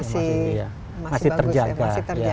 masih bagus ya masih terjaga